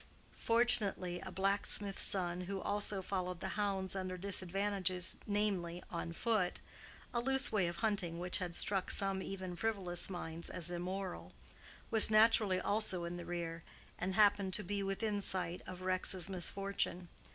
Fortunately a blacksmith's son who also followed the hounds under disadvantages, namely, on foot (a loose way of hunting which had struck some even frivolous minds as immoral), was naturally also in the rear, and happened to be within sight of Rex's misfortune.